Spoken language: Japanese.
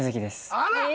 あら！